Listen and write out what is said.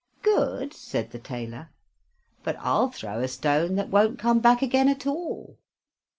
"Good!" said the tailor; "but I'll throw a stone that won't come back again at all."